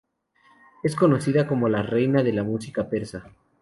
Es conocida como "la Reina de la música persa".